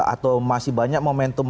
atau masih banyak momentum